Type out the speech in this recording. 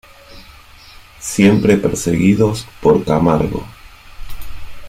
Siempre perseguidos por Camargo.